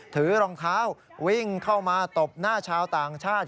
ถือรองเท้าวิ่งเข้ามาตบหน้าชาวต่างชาติ